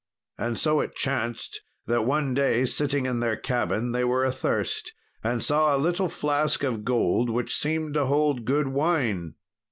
And so it chanced that one day sitting in their cabin they were athirst, and saw a little flask of gold which seemed to hold good wine.